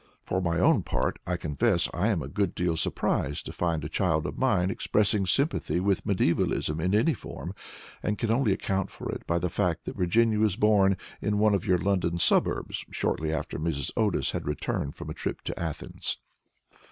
For my own part, I confess I am a good deal surprised to find a child of mine expressing sympathy with medievalism in any form, and can only account for it by the fact that Virginia was born in one of your London suburbs shortly after Mrs. Otis had returned from a trip to Athens."